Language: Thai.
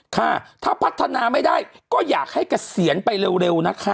ค่ะถ้าพัฒนาไม่ได้ก็อยากให้เกษียณไปเร็วนะคะ